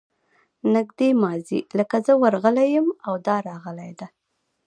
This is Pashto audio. نږدې ماضي لکه زه ورغلی یم او دا راغلې ده.